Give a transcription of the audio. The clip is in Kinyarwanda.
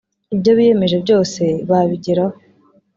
ibyo biyemeje byose babigeraho